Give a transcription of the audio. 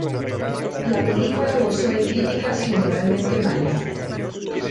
La película gozó de críticas generalmente malas.